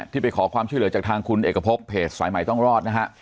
ไปขอความช่วยเหลือจากทางคุณเอกพบเพจสายใหม่ต้องรอดนะฮะ